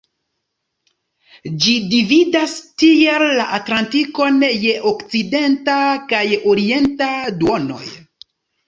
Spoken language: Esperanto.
Ĝi dividas tiel la Atlantikon je okcidenta kaj orienta duonoj.